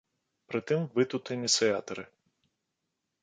Прытым вы тут ініцыятары.